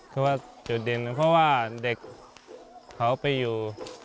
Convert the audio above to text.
เพราะว่าเด็กเขาไปอยู่